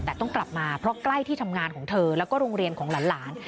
แต่ต้องกลับมาเพราะใกล้ที่ทำงานของเธอแล้วก็โรงเรียนของหลาน